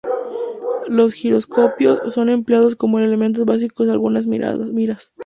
Los giroscopios son empleados como el elemento básico de algunas miras.